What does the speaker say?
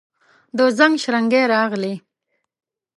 د زنګ شرنګی راغلي